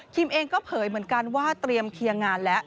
เองก็เผยเหมือนกันว่าเตรียมเคลียร์งานแล้ว